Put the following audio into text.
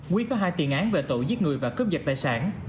quý có hai tiền án về tội giết người và cướp giật tài sản